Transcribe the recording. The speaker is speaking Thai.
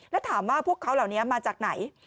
แล้วถามว่าพวกเขาเหล่านี้มาจากไหน